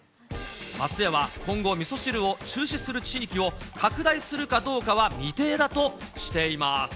松屋は今後、みそ汁を中止する地域を拡大するかどうかは未定だとしています。